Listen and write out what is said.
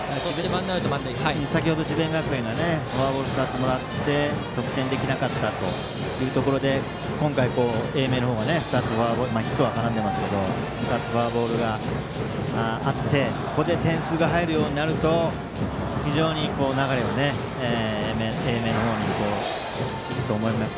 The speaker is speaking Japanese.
先程、智弁学園がフォアボールを２つもらって得点できなかったところで今回、英明の方がヒットが絡んでいますが２つフォアボールがあってここで点数が入るようになると非常に流れが英明の方に行くと思います。